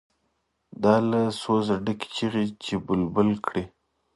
دا له سوزه ډکې چیغې چې بلبل کړي.